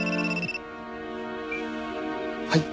はい。